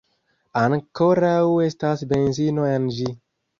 Ankoraŭ estas benzino en ĝi